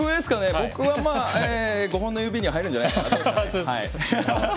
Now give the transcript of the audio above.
僕は５本の指に入るんじゃないですか？